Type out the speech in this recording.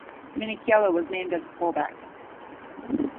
Minichiello was named as fullback.